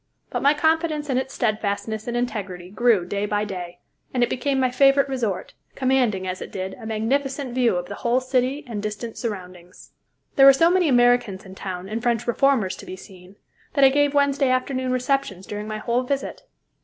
But my confidence in its steadfastness and integrity grew day by day, and it became my favorite resort, commanding, as it did, a magnificent view of the whole city and distant surroundings. There were so many Americans in town, and French reformers to be seen, that I gave Wednesday afternoon receptions during my whole visit.